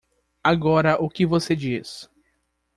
Agora o que você diz?